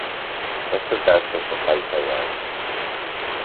Ez dut ahaztuko paisaia hau.